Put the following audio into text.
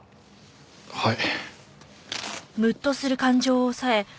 はい。